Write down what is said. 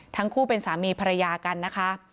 ทั้งคู่เป็นสามีภรรยากันนะคะ